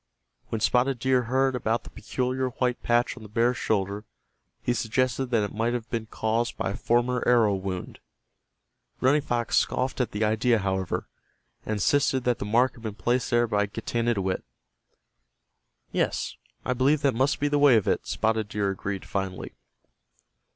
When Spotted Deer heard about the peculiar white patch on the bear's shoulder he suggested that it might have been caused by a former arrow wound. Running Fox scoffed at the idea, however, and insisted that the mark had been placed there by Getanittowit. "Yes, I believe that must be the way of it," Spotted Deer agreed, finally.